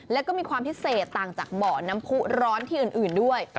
แล้วก็มีความพิเศษต่างจากเบาะน้ำผู้ร้อนที่อื่นด้วย